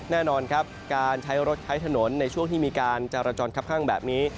แน่นอนครับการใช้รถใช้ถนนในช่วงที่มีการจรจรคับข้างแบบนี้